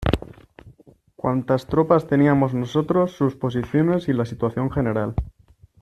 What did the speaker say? Cuantas tropas teníamos nosotros, sus posiciones, y la situación general.